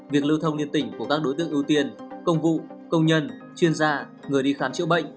việc lưu thông liên tỉnh của các đối tượng ưu tiên công vụ công nhân chuyên gia người đi khám chữa bệnh